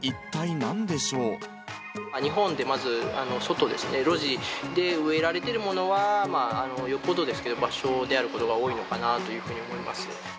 日本でまず外ですね、露地で植えられているものは、よっぽどですけど、バショウであることが多いのかなと思います。